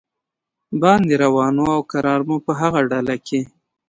باندې روان و او کرار مو په هغه ډله کې.